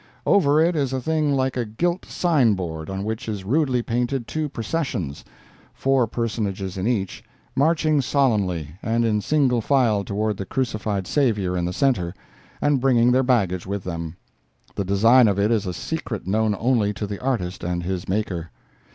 Over it is a thing like a gilt sign board, on which is rudely painted two processions—four personages in each—marching solemnly and in single file toward the crucified Savior in the center, and bringing their baggage with them. The design of it is a secret known only to the artist and his Maker.